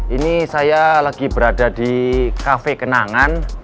ini saya lagi berada di kafe kenangan